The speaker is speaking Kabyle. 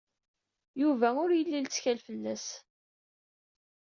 Yuba ur yelli lettkal fell-as.